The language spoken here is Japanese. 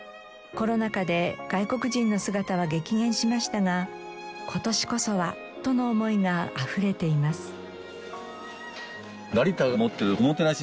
コロナ禍で外国人の姿は激減しましたが「今年こそは」との思いがあふれています。